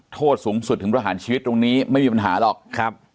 โทษสูงสุดถึงประหารชีวิตตรงนี้ไม่มีปัญหาหรอกครับ